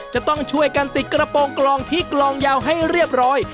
จะต้องช่วยกันติดกระโปรงกลองที่กลองยาวให้เรียบร้อย